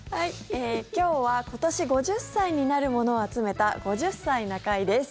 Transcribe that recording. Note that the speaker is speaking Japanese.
今日は今年５０歳になるものを集めた「５０歳な会」です。